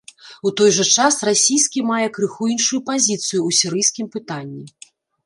У той жа час расійскі мае крыху іншую пазіцыю ў сірыйскім пытанні.